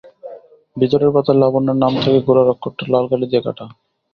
ভিতরের পাতায় লাবণ্যর নাম থেকে গোড়ার অক্ষরটা লাল কালি দিয়ে কাটা।